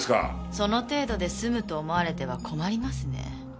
その程度で済むと思われては困りますね。